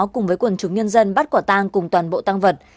cùng với quần chúng nhân dân bắt quả tang cùng toàn bộ tăng vật